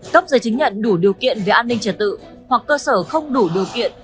cấp giới chứng nhận đủ điều kiện về an ninh trả tự hoặc cơ sở không đủ điều kiện